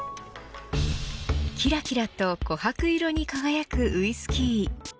きらきらと琥珀色に輝くウイスキー。